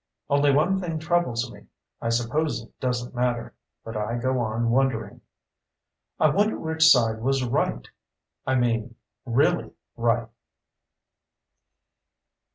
Only one thing troubles me. I suppose it doesn't matter, but I go on wondering. I wonder which side was right. I mean really right.